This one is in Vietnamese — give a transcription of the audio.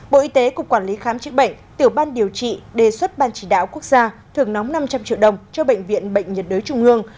bộ y tế cục quản lý khám chữa bệnh tiểu ban điều trị đề xuất ban chỉ đạo quốc gia thưởng nóng năm trăm linh triệu đồng cho bệnh viện bệnh nhiệt đới trung ương